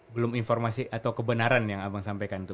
belum informasi atau kebenaran yang abang sampaikan itu